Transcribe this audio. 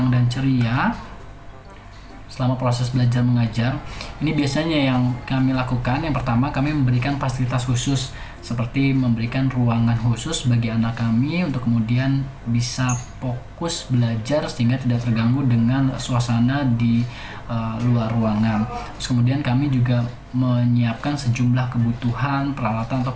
dengan suasana di luar ruangan kemudian kami juga menyiapkan sejumlah kebutuhan peralatan atau